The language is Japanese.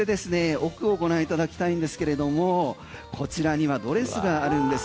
奥を御覧いただきたいんですけれどもこちらにはドレスがあるんです。